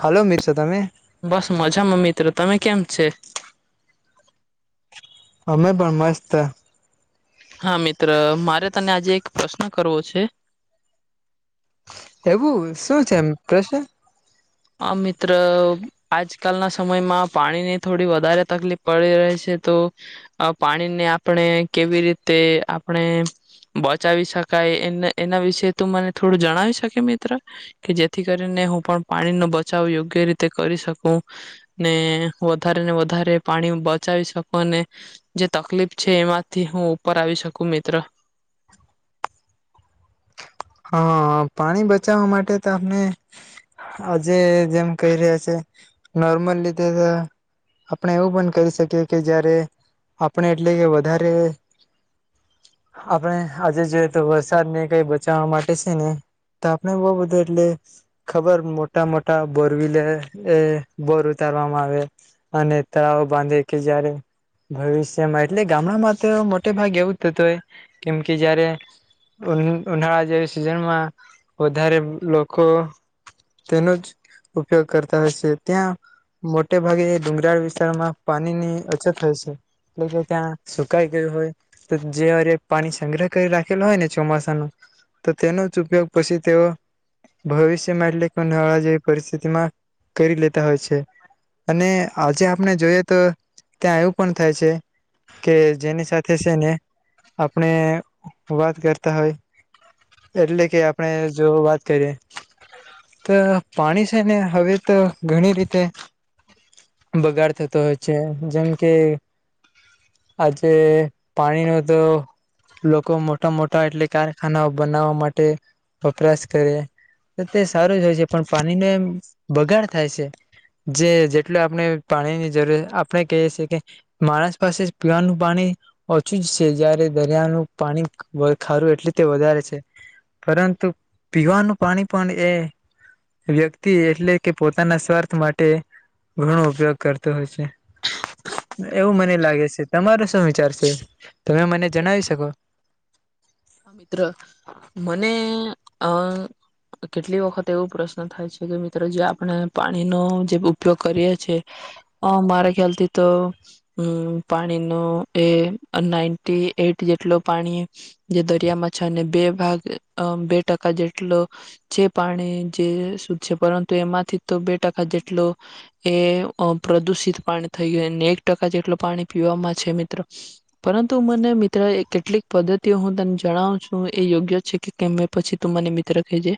હાલો મિત્ર તમે બસ મજામાં મિત્ર તમે કેમ છે અમે પણ મસ્ત હા મિત્ર મારે તને આજે એક પ્રશ્ન કરવો છે એવું શું છે એમ પપ્રશ્ન આ મિત્ર આજકાલના સમયમાં પાણીની થોડી વધારે તકલીફ પડી રહી છે તો પાણીને આપણે કેવી રીતે આપણે બચાવી શકાય એ એના વિશે ત મને થોડું જણાવી શકી મિત્ર કે જેથી કરીને હું પણ પાણીનોો બચાવ યોગ્ય રીતે કરી શકું ને વધારે ને વધારે પાણી બચાવી શકું અને જે તકલીફ છે એમાંથી હું ઉપર આવી શકું મિત્ર હા પાણી બચાવવા માટે તો આપણે આજે જેમ કહી રહ્યા છે નોર્મલ રીતે આપણે એવું પણ કહી શકીએ કે જયારે આપણે એટલે કે વધારે આપણે આજે જોઈએ તો વરસાદ ને કઈ ચવા માટે છે ને તો આપણે બહ બધું એટલે ખબર મોટા મોટા બોરવીલે એ બોર ઉતારવામાં આવે અને તળાવ બાંધે કે જયારે ભવિષ્યમાં એટલે ગામડામાં તો મોટે ભાગ એવું થતું હોય કેમ કે જયારે ઉનાળા જેવી સિઝનમાં વધારે લોકો તેનો જ ઉપયોગ કરતા હોય છે ત્યાં મોટે ભાગે ડુંગરાળ વિસ્તારમાં પાણીની અછત હોય છે એટલે કે ત્યાં સુકાઈ ગયું હોય તો જે પાણી સંગ્રહ કરી રાખેલ હોય ને ચોમાસાનો તો તેનો જ ઉપયોગ પછી તેઓ ભવિષ્યમાં એટલે કો નવા જેવી પરિસ્થિતિમાં કરી લેતા હોય છે અને આજે આપ આપણે જોઈએ તો ત્યાં એવું પણ થાય છે કે જેની સાથે છે ને આપણે વાત કરતા હોય એટલે કે આપણે જો વાત કરીએ તો પાણી છે ને હવે તો ઘણી રીતે બગાડ થતો હોય છે જેમ કે આજે પાણીનો તો લોકો મોટા મોટા એટલે કાર ખાના બનાવવા માટે વપરાશ કરીએ તે સારો જ હોય છે પણ પાણીનો એમ બગાડ થાય છે જે જેટલે આપણે પાણીની જરૂર આપણે કહીએ છીએ કે માણસ પાસે જ પીવાનું પાણી ઓછું જ છે જયારે દરિયાનું પાણી ખારું એટલું જ તે વધારે છે પરંતુ પીવાનું પાણી પણ એ વ્યક્તિ એટલે કે પોતાના સ્વાર્થ માટે ઘણો ઉપયોગ કરતો હોય છે એવું મને લાગે છે તમારો શું વિચાર છે તમે મને જણાવી શકો હા મિત્ર મને અ કેટલી વખત એવો પ્રશ્ન થાય છે કે મિત્રો જે આપણે પાણીનો જે ઉપયોગ કરીએ છે મારા ખ્યાલથી તો પાણીનો એ નાઈન્ટી એટ જેટલ પાણી જે દરિયામાં છે અને બે ભાગ બે ટકા જેટલો જે પાણી જે શધ છે પરંતુ એમાંથી તો બે ટકા જેટલો એ પ્રદુષિત પાણી થઈ ગય અને એક ટકા જેટલ પાણી પીવામાં છે મિત્રો પરંતુ મને મિત્ર એ કેટલીક પદ્ધતિ તે હું તને જણાવ છું એ યોગ્ય છે કે કે પછી તું મને મિત્ર કહેજે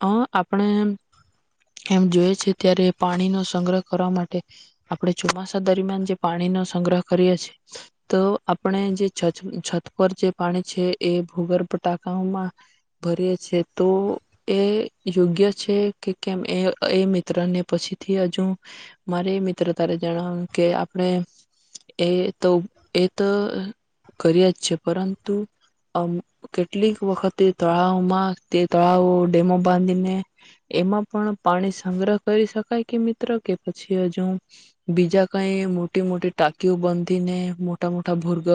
આપણે એમ જોઈ છે ત્યારે પાણીનોો સંગ્રહ કરવા માટે આપણે ચોમાસા દરમિયાન જે પાણીનોો સંગ્રહ કરીએ છેએ તો આપણે જે છ છત પર જે પાણી છે એ ભૂગર્ભ ટાકાઓમાં ભરીએ છે તો એ યોગ્ય છે કે કેમ એ એ મિત્ર ને પછીથી હજુ મારે મિત્ર તારે જણાવ્યું કે આપણે એ તો એ તો કરીએ જ છે પરંતુ કેટલીક વખતે તળાવમાં તે તળાવો ડેમો બાંધીને એમાં પણ પાણી સંગ્રહ કરી શકાય કે મિત્રો કે પછી હજુ બીજા કઈ મોટી મોટી ટાંકીઓ બાંધીને મોટા મોટા ભૂર્ગ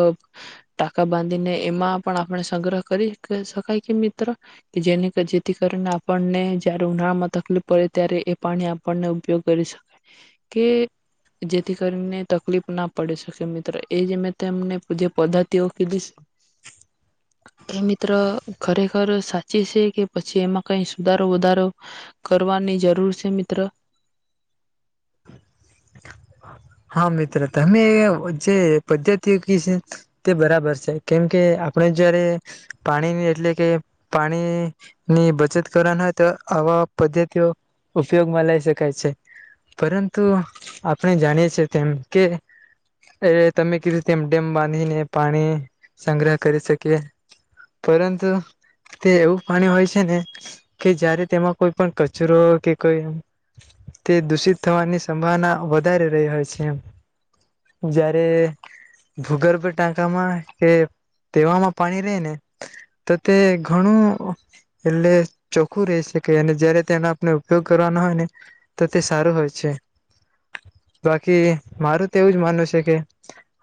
ટાંકા બાંધીને એમાં પણ આપણે સંગ્રહ કરી શકાય કે મિત્ર જેને જેથી કરીને આપણને જયારે ઉનાળામાં તકલીફ પડે ત્યારે એ પાણી આપણને ઉપયોગ કરી શકાય કે જેથી કરીને તકલીફ ના પડે શકે મિત્ર એ જે મેંને જે પદ્ધતિઓ કીધીશ એ મિત્ર ખરેખર સાચી છે કે પછી એમાં કઈ સુધારો વધારો કરવાની જરૂર છે મિત્ર હા મિત્ર તમે જે પદ્ધતિઓ ક છે તે બરાબર છે કેમકે આપણે જયારે પાણીની એટલે કે પાણી ની બચત કરવાના હોય તો આવા પદ્ધતિઓ ઉપયોગમાં લઈ શકાય છે પરંતુ આપણે જાણીએ છે તેમ કે તમે કીધુંતે ડેમ બાંધીને પાણી સંગ્રહ કરી શકીએ પરંતુ તે એવું પાણી હોય છે ને કે જયારે તેમાં કોઈ પણ કચરો કે કોઈ તે દૂષિત થવાની વધારે રહી હોય છે જારે ભૂગર્ભ ટાંકામાં કે તેવામાં પાણી રે ને તો તે ઘણું એટલે ચોખ્ખું રહે છે કે અને જયારે તેનો આપણે ઉપયોગ કરવાના હોય ને તો તે સારું હોય છે બાકી મારું તો એવું જ માનવું છે કે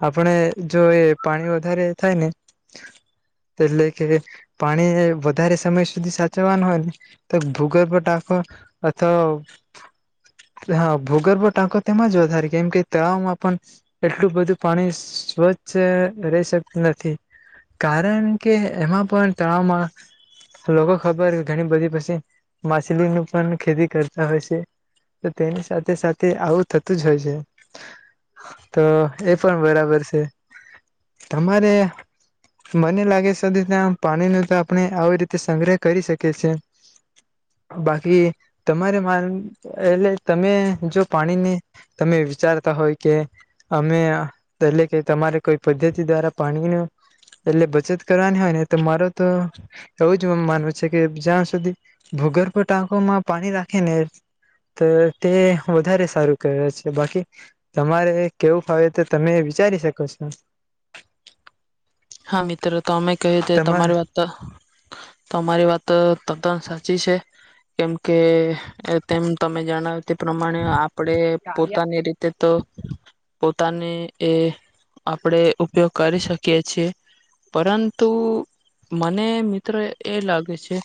આપણે જો એ પાણી વધારે થાય ને એટલે કે પાણી વધારે સમય સુધી સાચવવાનું હોય ને તો ભૂગર્ભ ટાકો અથવા હ ભૂગર્ભ ટાંકો તેમાં જ વધારે કેમ કે તળાવમાં પણ એટલું બધું પાણી સ્વચ્છ રહી શકત નથી કારણ કે એમાં પણ તળાવમાં લોકો ખબર કે ઘણી બધી પછી માછલીનું પણ ખેતી કરતા હોય છે તો તેની સાથે સાથે આવું થતું જ હોય છે તો એ પણ બરાબર છે તમારે મને લાગે છેધ ત્યા પાણી ન તો આપણે આવી રીતે સંગ્રહ કરી શકીએ છીએ બાકી તમારે મા એટલે તમે જો પાણીને તમે વિચારતા હોય કે અમે એટલે કે તમારે કોઈ પદ્ધતિ દ્વારા પાણીની એટલે બચત કરવાની હોય ને તો માર તો એવું જ માનવું છે કે જ્યાં સુધી ભૂગર્ભ ટાંકોમાં પાણી રાખે ને તો તે વધારે સારું કરે છે બાકી તમારે કેવું ફાવે તો તમે વિચારી શકો છો હા મિત્રો તો અમે કહી તમા તમારી વાત તમારી વાત તદ્દન સાચી છે કેમ કે તેમ તમે જણાવ તે પ્રમાણે આપણે પોતાની રીતે તો તાને એ આપણેે ઉપયોગ કરી શકીએ છીએ પરંતુ મને મિત્રો એ લાગે છે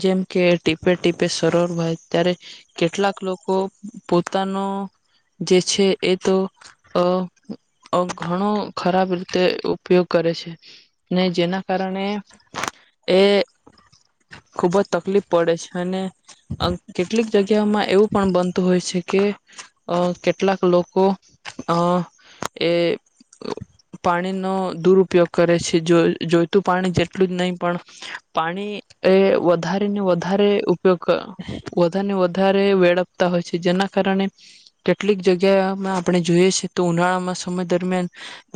જેમ કે ટીપે ટીપે સરળ સરોવર ભરાય કેટલાક લોકો પોતાનો જે છે એ તો અ ઘણો ખરાબ રીતે ઉપયોગ કરે છે ને જેના કારણે એ ખુબ જ તકલીફ પડે છે અને કેટલીક જગ્યામાં એવું પણ બનતું હોય છે કે કેટલાક લોકો એ પાણીનો દુરુપયોગ કરે છે જો જોઈતું પાણી જેટલું જ નહીં પણ પાણી એ વધારે ને વધારે પોતાની વ વધારે વેળપતા હોય છે જેના કારણે કેટલીક જગ્યામાં આપણે જોઈએ છેએ તો ઉનાળામાં સમય દરમિયાન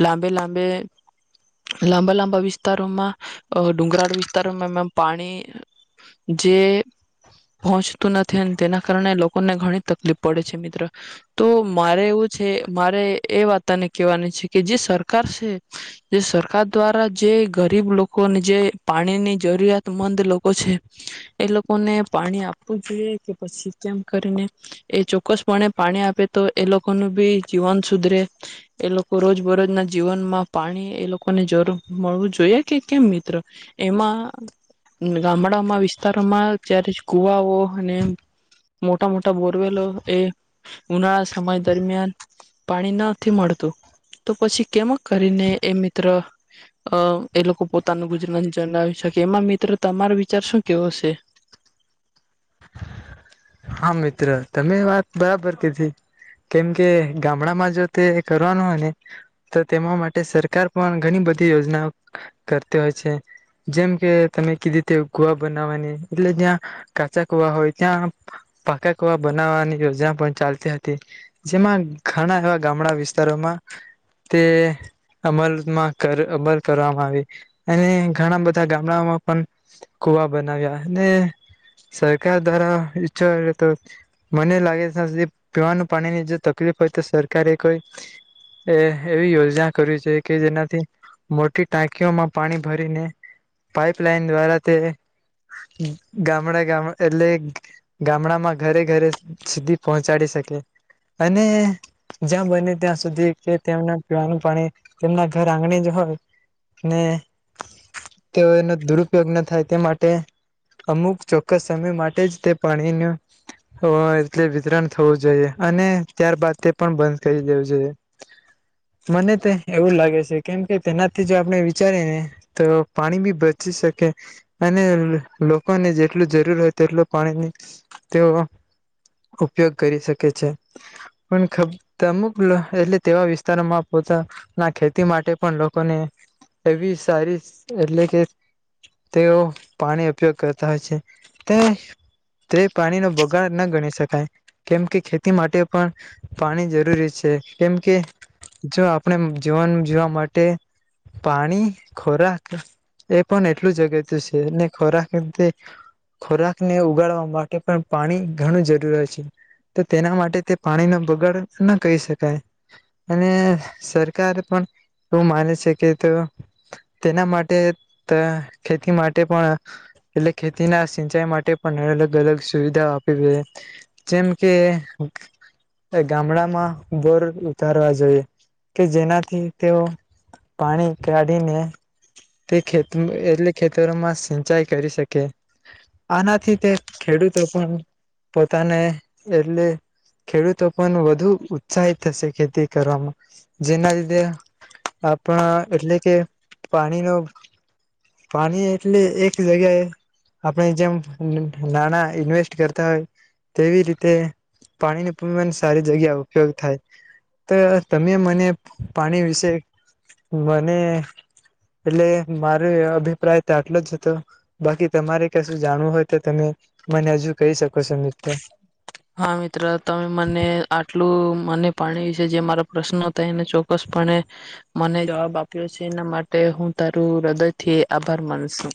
લાંબે લાંબે લાંબા લાંબા વિસ્તારોમાં ડુંગરાળ વિસ્તારોમાં એમાં પાણી જે પહોંચતું નથી. અન તેના કારણે લોકોને ઘણી તકલીફ પડે છે મિત્ર. તો મારે એવું છે મારે એ વાત તને કેહવાની છે કે જે સરકાર છે એ સરકાર દ્વારા જે ગરીબ લોકોને જે પાણીની જરૂરિયાત મંદ લોકો છે. એ લોકોને પાણી આપવું જોઈએ કે પછી કેમ કરીને એ ચોક્કસપણે પાણી આપે તો એ લોકોનું બી જીવન સુધરે. એ લોકો રોજ બરોજના જીવનમાં પાણી એ લોકોને જરૂર મળવું જોઈએ કે કેમ મિત્ર? એમાં ઉહન ગામડામાં વિસ્તારોમાં જ્યારે ચ કુવાઓ અને મોટા મોટા બોરવેલો એ ઉના સમય દરમિયાન પાણીના થી મળતું. તો પછી કેમ કરીને એ મિત્ર અ એ લોકો પોતાનું ગુજરાન જનાવી શકે એમાં મિત્ર તમારો વિચાર શું કેવો સે? હા, મિત્ર તમે વાત બરાબર કીધી. કેમ કે ગામડામાં જો તે કરવાનું હોય ને તો તેમાં માટે સરકાર પણ ઘની બધી યોજનાઓ કરતી હોય છે. જેમ કે તમે કીધી તેવુ કુવા બનાવવાની એટલે જ્યાં કાચા કુવા હોય ત્યાં પાકા કુવા બનાવવાની યોજના પણ ચાલતી હતી. જેમાં ઘણા એવા ગામડા વિસ્તારોમાં તે અમલમાં કર અમલ કરવામાં આવી. અને ઘણા બધા ગામડાઓમાં પન કુવા બનાવ્યા. અને સરકાર દ્વારા વીજ જોઈએ તો મને લાગે તાસુધી પીવાનું પાનીની જો તકલીફ હોય તો સરકારે કોઈ એ એવી યોજના કરવી જોઈએ કે જેનાથી મોટી ટાંકીઓમાં પાણી ભરીને પાઈપલાઈન દ્વારા તે ઉન ગામડા ગામ એટલે ગામડામાં ઘરે ઘરે સુધી પહોંચાડી શકે. અને જ્યાં બને ત્યાં સુધી કે તેમના પીવાનું પાણી તેમના ઘર આંગણે જ હોય ને તેઓનો દુરુપયોગ ન થાય તે માટે અમુક ચોક્કસ સમય માટે જ તે પાણીનું હોય એટલે વિતરણ થવું જોઈએ. અને ત્યારબાદ તે પણ બંધ કરી દેવું જોઈએ. મને તો એવું લાગે સે કેમ કે તેનાથી જો આપણે વિચારીએ ને તો પાની બી બચી શકે અને લેહ લોકોને જેટલું જરૂર હોય તેટલું પાણીની તેઓ ઉપયોગ કરી શકે છે. પણ ખબ અમુક લહ એટલે તેવા વિસ્તારોમાં પોચા ના ખેતી માટે પન લોકોને એવી સારી એટલે કે તેઓ પાની ઉપયોગ કરતા હોય છે તે તે પાણીનો બગાડ ન ગણી શકાય, કેમ કે ખેતી માટે પણ પાણી જરૂરી છે, કેમકે જો આપણે જીવન જીવવા માટે પાની ખોરાક એ પણ એટલું જ અગત્ય છે ને ખોરાક એમ કે ખોરાકને ઉગાડવામ માટે પણ પાની ઘણું જરૂર હોય છે. તો તેના માટે તે પાણીનો બગાડ ન કહી શકાય. અને સરકાર પણ એવું માને છે કે તો તેના માટે ત ખેતી માટે પણ એટલે ખેતીના સિંચાઈ માટે પણ [unintelligible] ગલગ સુવિધાઓ આપવી જોઈએ. જેમ કે કે ગામડામાં બોર ઉ ઉતારવા જોઈએ કે જેનાથી તેઓ પાણી કાઢીને તે ખેતુન એટલે ખેતરોમાં સિંચાઈ કરી શકે. આનાથી તે ખેડૂતો પણ પોતાને એટલે ખેડૂતો પણ વધુ ઉત્સાહિત થશે ખેતી કરવામાં. જેના લીધે આપણા એટલે કે ફા નિયોમ પાની એટલે એક જગ્યાએ આપણે જેમ નન નાણાં ઈન્વેસ્ટ કરતા હોય તેવી રીતે પાણીનો પણ સારી જગ્યા ઉપયોગ થાય. તો તમે મને પાણી વિશે મને એટલે મારો એ અભિપ્રાય તો આટલો જ હતો. બાકી તમારે કશું જાણવું હોય તો તમે મને હજુ કહી શક હા, મિત્ર તમે મને આટલું મને પાણી વિશે જે મારા પ્રશ્નો હતા એને ચોક્કસપણે મને જવાબ આપ્યો છે. એના માટે હું તારું હૃદયથી આભાર માનુંશું.